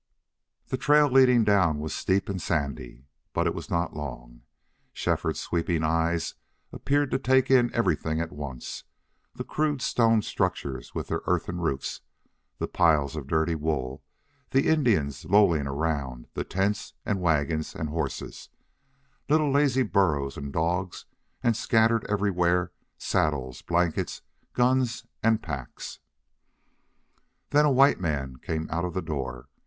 The trail leading down was steep and sandy, but it was not long. Shefford's sweeping eyes appeared to take in everything at once the crude stone structures with their earthen roofs, the piles of dirty wool, the Indians lolling around, the tents, and wagons, and horses, little lazy burros and dogs, and scattered everywhere saddles, blankets, guns, and packs. Then a white man came out of the door.